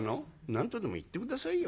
「何とでも言って下さいよ